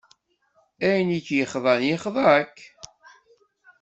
Ayen i k-yexḍan, yexḍa-k.